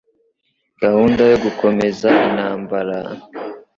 gahunda yo gukomeza intambara,